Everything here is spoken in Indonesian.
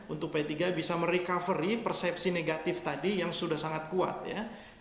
untuk p tiga bisa merecovery persepsi negatif tadi yang sudah sangat kuat ya